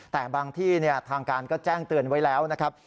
แต่บางที่ทางการก็แจ้งเตือนไว้แล้วนะครับ